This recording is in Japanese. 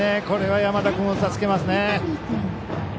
これは山田君を助けますね。